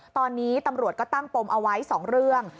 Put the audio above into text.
ตอนนี้ตำรวจก็ตั้งปมเอาไว้๒เรื่อง